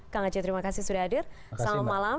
kang aceh terima kasih sudah hadir selamat malam